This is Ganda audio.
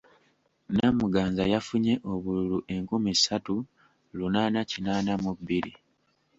Namuganza yafunye obululu enkumi ssatu lunaana kinaana mu bbiri.